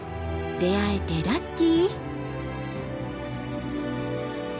出会えてラッキー！